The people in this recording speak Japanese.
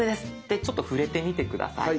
でちょっと触れてみて下さい。